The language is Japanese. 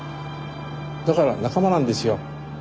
だから仲間なんですよ。